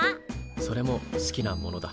それも好きなものだ。